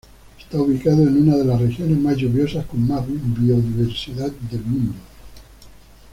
Está ubicado en una de las regiones más lluviosas con más Biodiversidad del mundo.